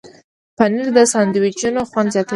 پنېر د ساندویچونو خوند زیاتوي.